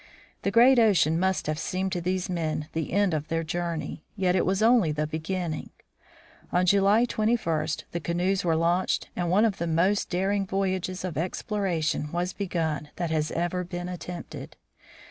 The great ocean must have seemed to these men the end of their journey, yet it was only the beginning. On July 21 the canoes were launched and one of the most daring voyages of exploration was begun that has ever been attempted.